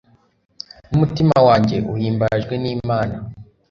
n'umutima wanjye uhimbajwe n'imana